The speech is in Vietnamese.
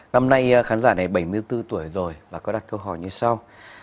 năm nay khán giả này bảy mươi bốn tuổi rồi và có đặt câu hỏi như sau